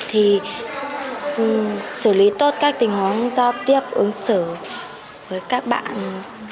thì xử lý tốt các tình huống giao tiếp ứng sinh